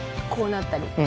こうなったり。